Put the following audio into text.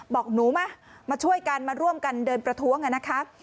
บอกหนูมามาช่วยกันมาร่วมกันเดินประท้วงกันนะคะ